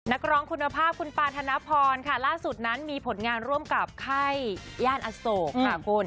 นักร้องคุณภาพคุณปาธนพรค่ะล่าสุดนั้นมีผลงานร่วมกับค่ายย่านอโศกค่ะคุณ